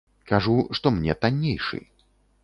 Кажу, што мне таннейшы.